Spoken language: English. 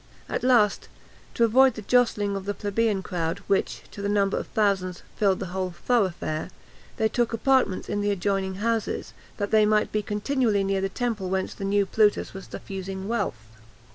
At last, to avoid the jostling of the plebeian crowd, which, to the number of thousands, filled the whole thoroughfare, they took apartments in the adjoining houses, that they might be continually near the temple whence the new Plutus was diffusing wealth.